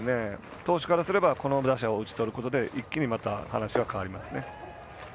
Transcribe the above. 投手からすればこの打者を打ち取ることで一気に話が変わりますね。